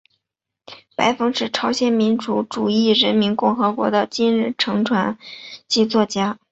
白峰是朝鲜民主主义人民共和国的金日成传记作家。